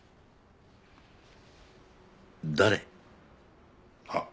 誰？は？